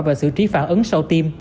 và xử trí phản ứng sau tiêm